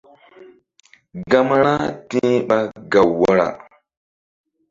Gama ra ti̧h ɓa gaw wara.